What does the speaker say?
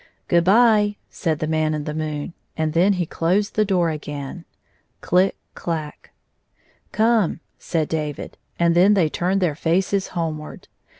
"Good by," said the Man in the moon, and then he closed the door again — Chck clack ! "Come," said David, and then they turned their faces homeward.